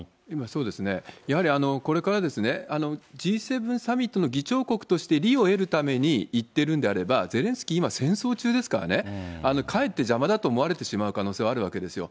そうですね、やはりこれからですね、Ｇ７サミットの議長国として利を得るために行ってるんであれば、ゼレンスキー、今、戦争中ですからね、かえって邪魔だと思われてしまう可能性はあるわけですよ。